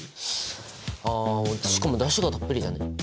あしかもだしがたっぷりだね。